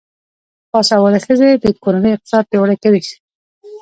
باسواده ښځې د کورنۍ اقتصاد پیاوړی کوي.